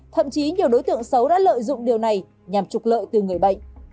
thậm chí nhiều đối tượng xấu đã lợi dụng điều này nhằm trục lợi từ người bệnh